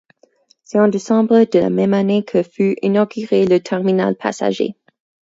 C'est en décembre de la même année que fut inauguré le terminal passagers.